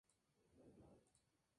Nos sentimos bendecidos".